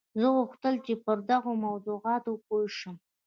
زه غوښتل چې پر دغو موضوعاتو پوه شم